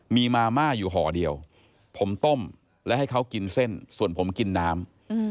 มีมาม่าอยู่ห่อเดียวผมต้มและให้เขากินเส้นส่วนผมกินน้ำ